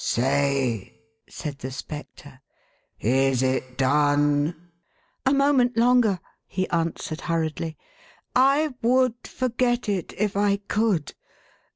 " Say," said the Spectre, " is it done ?";" A moment longer !" he answered hurriedly. " I would forget it if I could